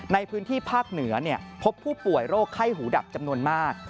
ในพื้นที่ภาคเหนือพบผู้ป่วยโรคไข้หูดับจำนวนมาก